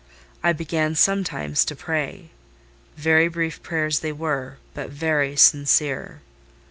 I began sometimes to pray: very brief prayers they were, but very sincere.